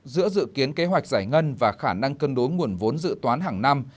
giữa dự kiến kế hoạch giải ngân và khả năng cân đối nguồn vốn dự toán hàng năm